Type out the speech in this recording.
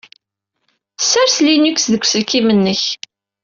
Ssers Linux deg uselkim-nnek!